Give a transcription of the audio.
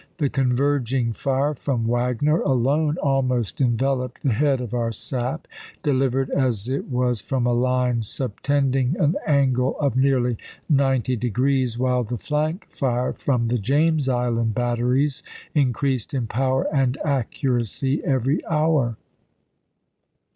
" The converging fire from Wagner alone almost enveloped the head of our sap, delivered as it was from a line subtending an angle of nearly ninety degrees, while the flank fire from the James Island batteries increased in power and accuracy every hour.